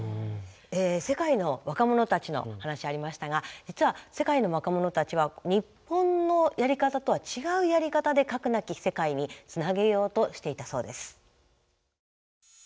世界の若者たちの話ありましたが実は世界の若者たちは日本のやり方とは違うやり方で“核なき世界”につなげようとしていたそうです。